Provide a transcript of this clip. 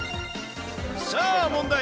さあ、問題。